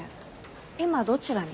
今どちらに？